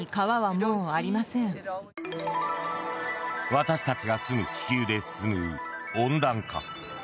私たちが住む地球で進む温暖化。